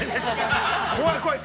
◆怖い怖い。